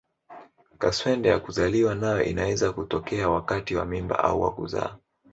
Kaswende ya kuzaliwa nayo inaweza kutokea wakati wa mimba au wa kuzaa.